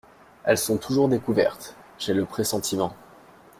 Elles sont toujours découvertes. — J’ai le pressentiment…